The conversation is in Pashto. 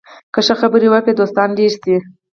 که ښه خبرې وکړې، دوستان ډېر شي